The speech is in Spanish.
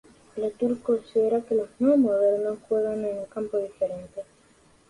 Latour considera que los no-modernos juegan en un campo diferente.